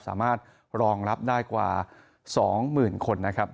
สามารถรองรับได้กว่า๒๐๐๐คนนะครับ